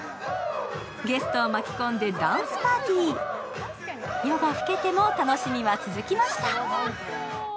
ゲストを巻き込んでダンスパーティー、夜が更けても楽しみは続きました。